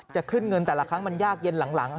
จะขึ้นเงินแต่ละครั้งมันยากเย็นหลัง